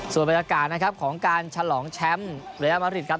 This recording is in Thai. ส่วนบรรยากาศนะครับของการฉลองแชมป์เรียลมาริดครับ